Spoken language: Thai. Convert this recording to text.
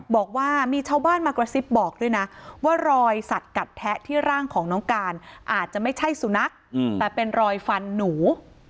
บอกว่ามีชาวบ้านมากระซิบบอกด้วยนะว่ารอยสัตว์กัดแทะที่ร่างของน้องการอาจจะไม่ใช่สุนัขแต่เป็นรอยฟันหนู